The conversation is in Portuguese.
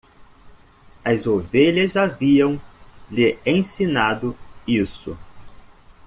As ovelhas haviam lhe ensinado isso.